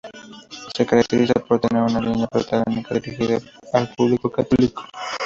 Se caracteriza por tener una línea programática dirigida al público católico.